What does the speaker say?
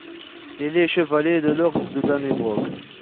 Il est chevalier de l'Ordre de Dannebrog.